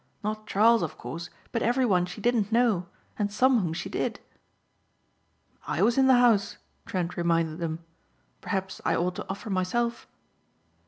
Not Charles of course but every one she didn't know and some whom she did." "I was in the house," Trent reminded them, "perhaps I ought to offer myself."